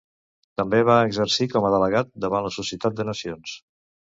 També va exercir com a delegat davant la Societat de Nacions.